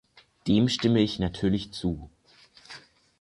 Dem stimme ich natürlich zu.